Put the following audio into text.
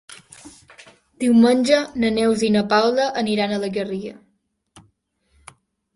Diumenge na Neus i na Paula aniran a la Garriga.